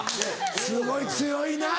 すごい強いな。